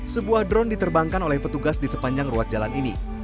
sebuah drone diterbangkan oleh petugas di sepanjang ruas jalan ini